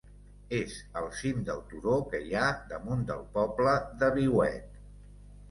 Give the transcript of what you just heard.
És al cim del turó que hi ha damunt del poble de Viuet.